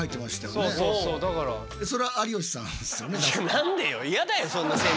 何でよ。